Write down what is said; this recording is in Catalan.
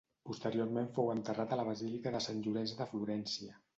Posteriorment fou enterrat a la Basílica de Sant Llorenç de Florència.